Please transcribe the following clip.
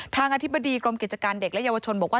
อธิบดีกรมกิจการเด็กและเยาวชนบอกว่า